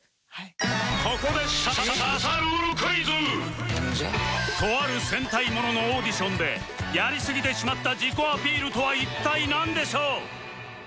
ここでとある戦隊もののオーディションでやりすぎてしまった自己アピールとは一体なんでしょう？